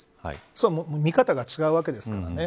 それは見方が違うわけですからね。